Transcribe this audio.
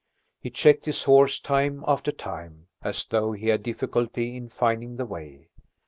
He checked his horse time after time, as though he had difficulty in finding the way.